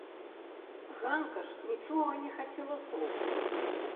Ганка ж нічога не хацела слухаць.